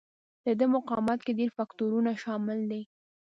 د دې مقاومت کې ډېر فکټورونه شامل دي.